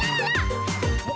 ya allah dapet